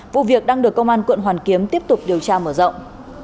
vụ việc đang được công an quận hoàn kiếm tiếp tục điều tra mở rộng